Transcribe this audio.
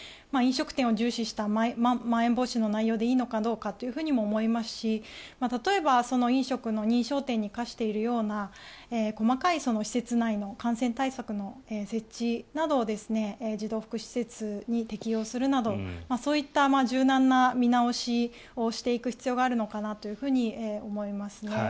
飲食店を重視したまん延防止の内容でいいのかどうかということも思いますし例えば飲食店の認証店に課しているような細かい施設内の感染対策の設置などを児童福祉施設に適用するなどそういった柔軟な見直しをしていく必要があるのかなと思いますね。